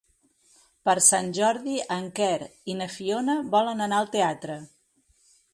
Per Sant Jordi en Quer i na Fiona volen anar al teatre.